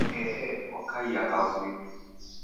Ehe kwakaiya kavui